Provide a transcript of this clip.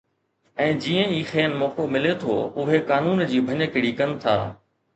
۽ جيئن ئي کين موقعو ملي ٿو، اهي قانون جي ڀڃڪڙي ڪن ٿا